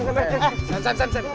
eh sam sam sam